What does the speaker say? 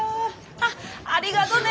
あっありがとね。